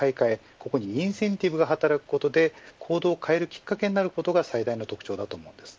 ここにインセンティブが働くことで行動を変えるきっかけになることが最大の特徴です。